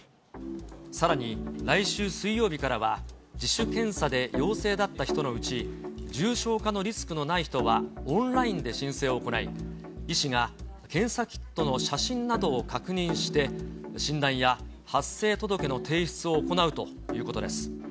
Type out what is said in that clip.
さらに、来週水曜日からは、自主検査で陽性だった人のうち、重症化のリスクのない人はオンラインで申請を行い、医師が検査キットの写真などを確認して、診断や発生届の提出を行うということです。